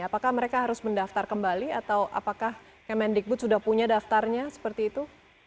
apakah mereka harus mendaftar kembali atau apakah kementerian pendidikan dan pekerjaan sudah punya daftarnya seperti itu